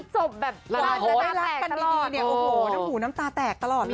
จบแบบรักแล้วได้รักกันดีเนี่ยโอ้โหน้ำตาแตกตลอดเลย